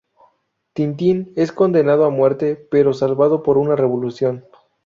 Tintín es condenado a muerte pero salvado por una revolución.